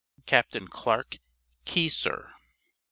Captain Clark Keysor.